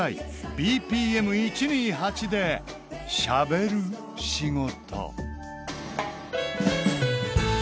ＢＰＭ１２８で「しゃべる仕事」。